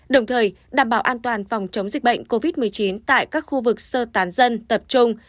đồng thời đảm bảo an toàn phòng chống dịch bệnh covid một mươi chín tại các khu vực sơ tán dân tập trung